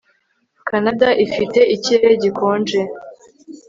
Kanada ifite ikirere gikonje